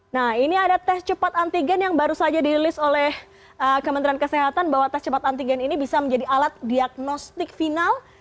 nah ini ada tes cepat antigen yang baru saja dirilis oleh kementerian kesehatan bahwa tes cepat antigen ini bisa menjadi alat diagnostik final